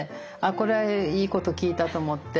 これはいいこと聞いたと思って。